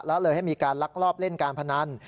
แล้วเลยให้มีการลักลอบเล่นการพนัน